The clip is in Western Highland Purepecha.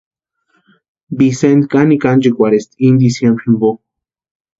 Vicenti kanikwa anchekurhesïnti ini diciembre jimpo.